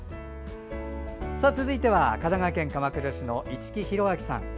続いては、神奈川県鎌倉市の市来広昭さん。